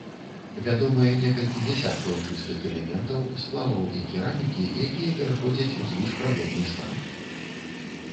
Вядомыя некалькі дзясяткаў чыстых элементаў, сплаваў і керамікі, якія пераходзяць у звышправодны стан.